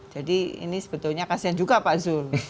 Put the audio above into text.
jadi ini sebetulnya kasian juga pak zul